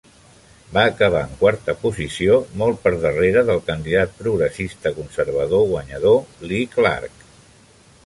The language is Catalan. Va acabar en quarta posició, molt per darrere del candidat progressista-conservador guanyador Lee Clark.